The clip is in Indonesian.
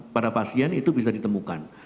pada pasien itu bisa ditemukan